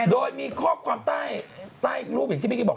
โดยมีข้อความใต้รูปอย่างที่เมื่อกี้บอก